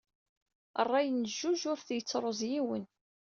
Rray n jjuj ur t-yettruẓ yiwen.